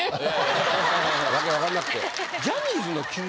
訳分かんなくて。